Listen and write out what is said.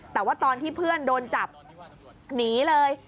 แต่ว่าตอนที่เพื่อนโดนจับหนีเลย